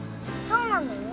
そうなの？